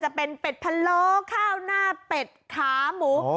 จะเป็นเป็ดพะโล้ข้าวหน้าเป็ดขาหมู